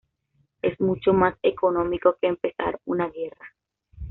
Es mucho más económico que empezar una guerra"".